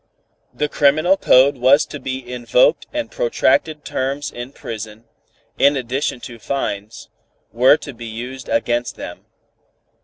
The criminal code was to be invoked and protracted terms in prison, in addition to fines, were to be used against them.